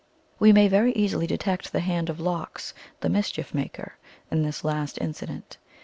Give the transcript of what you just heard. We may very easily detect the hand of Lox, the Mischief Maker, in this last incident.